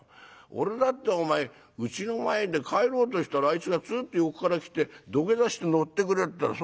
俺だってお前うちの前で帰ろうとしたらあいつがつーっと横から来て土下座して乗ってくれったら